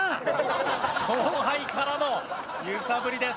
後輩からの揺さぶりです。